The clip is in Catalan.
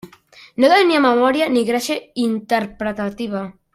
No tenia memòria ni gràcia interpretativa.